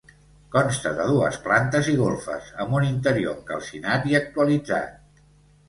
Consta de dues plantes i golfes, amb un interior encalcinat i actualitzat.